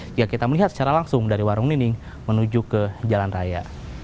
jika kita melihat secara langsung dari warung nining menuju ke jalan raya